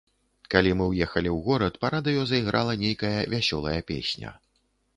Калі мы ўехалі ў горад, па радыё зайграла нейкая вясёлая песня.